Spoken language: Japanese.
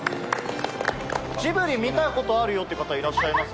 ジブリ見たことあるよって方いらっしゃいます？